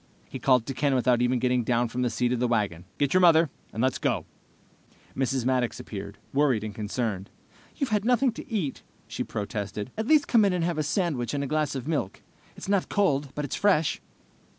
He called to Ken without even getting down from the seat of the wagon. "Get your mother, and let's go!" Mrs. Maddox appeared, worried and concerned. "You've had nothing to eat," she protested. "At least come in and have a sandwich and a glass of milk. It's not cold, but it's fresh."